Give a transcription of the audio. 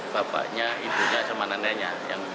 bapaknya ibunya sama neneknya